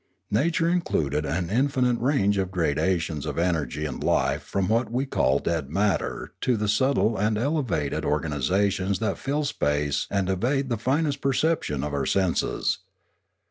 Na ture included an infinite range of gradations of energy and life from what we call dead matter to the subtle and elevated organisations that fill space and evade the finest perception of our senses.